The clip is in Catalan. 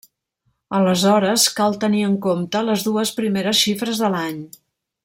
Aleshores, cal tenir en compte les dues primeres xifres de l'any.